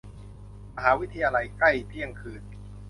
มหาวิทยาลัย ใกล้เที่ยงคืน